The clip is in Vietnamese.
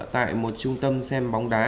tại một trung tâm xem bóng đá